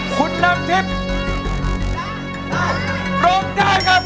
คุณน้ำทิพย์ร้องได้ครับ